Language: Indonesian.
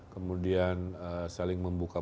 kemudian saling membuka